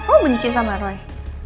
oh benci sama roy